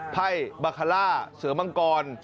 ไพ่บาคาล่าเสือมังกร